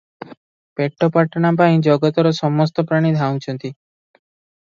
ପେଟ ପାଟଣା ପାଇଁ ଜଗତର ସମସ୍ତପ୍ରାଣୀ ଧାଉଁଛନ୍ତି ।